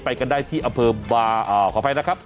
ไปกันได้ที่อเภอบาร์ขออภัยนะครับ